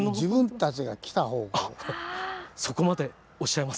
あっそこまでおっしゃいますか。